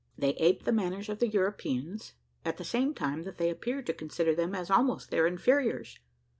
They ape the manners of the Europeans, at the same time that they appear to consider them as almost their inferiors.